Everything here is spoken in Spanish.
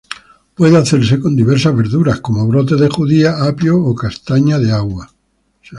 Puede hacerse con diversas verduras, como brotes de judías, apio o castaña de agua.